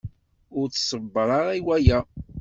Ur tṣebber ara i waya.